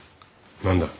何だ。